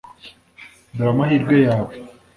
Dore amahirwe yawe